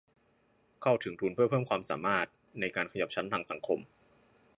เข้าถึงทุนเพื่อเพิ่มความสามารถในการขยับชั้นทางสังคม